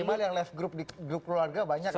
minimal yang last group di grup keluarga banyak lah